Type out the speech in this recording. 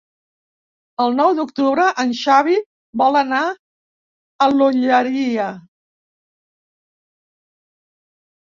El nou d'octubre en Xavi vol anar a l'Olleria.